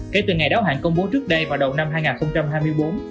kể từ ngày đáo hạng công bố trước đây vào đầu năm hai nghìn hai mươi bốn